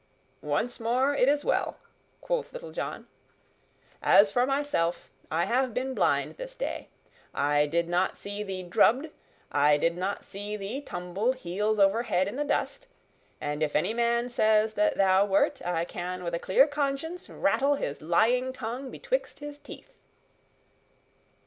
"Once more, it is well," quoth Little John. "As for myself, I have been blind this day. I did not see thee drubbed; I did not see thee tumbled heels over head in the dust; and if any man says that thou wert, I can with a clear conscience rattle his lying tongue betwixt his teeth."